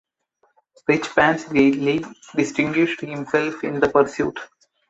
Richepanse greatly distinguished himself in the pursuit.